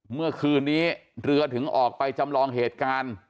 เมื่อคืนนี้เรือถึงออกไปจำลองเหตุการณ์